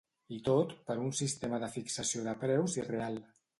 I tot, per un sistema de fixació de preus irreal.